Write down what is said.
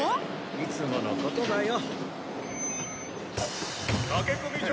いいつものことだよ。